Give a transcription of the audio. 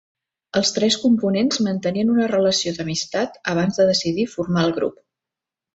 Els tres components mantenien una relació d'amistat abans de decidir formar el grup.